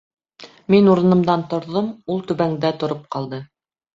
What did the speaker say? Мин урынымдан торҙом, ул түбәндә тороп ҡалды.